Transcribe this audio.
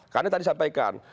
karena tadi sampaikan